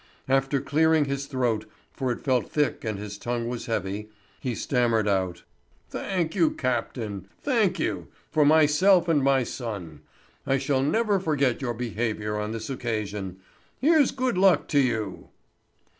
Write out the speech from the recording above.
After clearing his throat, for it felt thick and his tongue was heavy, he stammered out: "Thank you, captain, thank you—for myself and my son. I shall never forget your behaviour on this occasion. Here's good luck to you!"